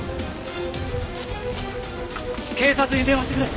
警察に電話してくれ。